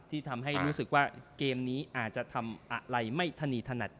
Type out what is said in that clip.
ที่ทำให้รู้สึกว่าเกมนี้อาจจะทำอะไรไม่ธนีถนัด